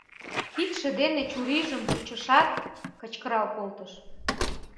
Кидше дене чурийжым кучышат, кычкырал колтыш: